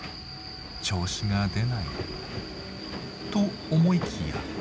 調子が出ないと思いきや。